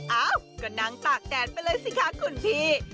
เอ้าก็นั่งตากแดดไปเลยสิคะคุณพี่